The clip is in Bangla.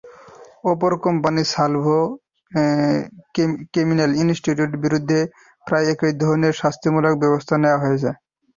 অপর কোম্পানি সালভো কেমিক্যাল ইন্ডাস্ট্রিজের বিরুদ্ধেও প্রায় একই ধরনের শাস্তিমূলক ব্যবস্থা নেওয়া হয়েছে।